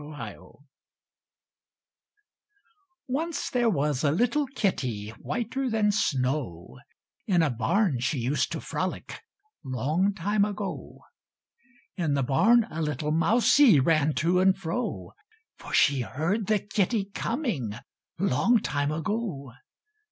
KITTY Once there was a little kitty Whiter than snow; In a barn she used to frolic, Long time ago. In the barn a little mousie Ran to and fro; For she heard the kitty coming, Long time ago.